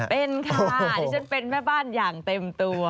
เป็นค่ะดิฉันเป็นแม่บ้านอย่างเต็มตัว